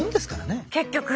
結局。